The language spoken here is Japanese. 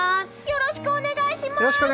よろしくお願いします！